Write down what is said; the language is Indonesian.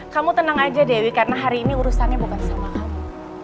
kamu tenang aja dewi karena hari ini urusannya bukan sama kamu